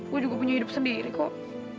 gue juga punya hidup sendiri kok